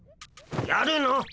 やるの？